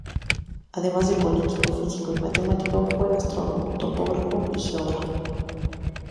Además de político, físico y matemático, fue astrónomo, topógrafo, y geógrafo.